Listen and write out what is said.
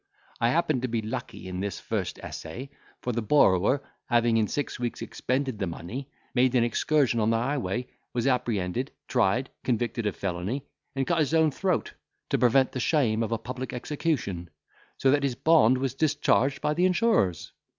I happened to be lucky in this first essay; for the borrower, having in six weeks expended the money, made an excursion on the highway, was apprehended, tried, convicted of felony, and cut his own throat, to prevent the shame of a public execution; so that his bond was discharged by the insurers.